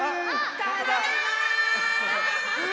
ただいま！